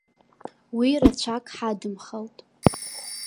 Уи рацәак ҳадымхалт.